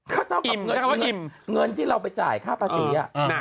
ก็เท่ากับเงินที่เราไปจ่ายค่าภาษี